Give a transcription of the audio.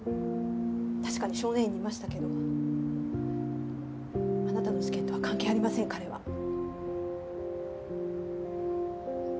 確かに少年院にいましたけどあなたの事件とは関係ありません彼は。